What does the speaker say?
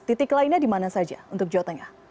titik lainnya di mana saja untuk jawabannya